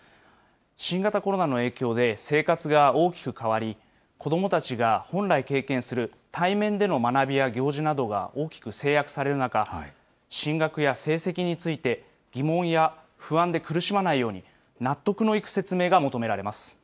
新型コロナの影響で、生活が大きく変わり、子どもたちが本来経験する、対面での学びや行事などが大きく制約される中、進学や成績について、疑問や不安で苦しまないように、納得のいく説明が求められます。